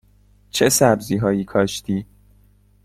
چه سبزی هایی کاشتی؟